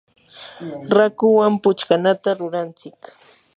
raakuwan pukllanata ruranchik.